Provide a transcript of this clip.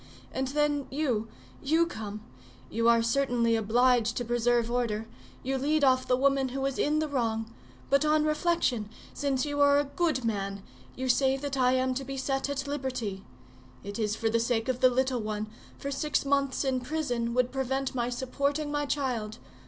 And then, you, you come; you are certainly obliged to preserve order, you lead off the woman who is in the wrong; but on reflection, since you are a good man, you say that I am to be set at liberty; it is for the sake of the little one, for six months in prison would prevent my supporting my child.